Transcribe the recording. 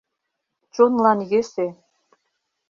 Чонлан йӧсӧ...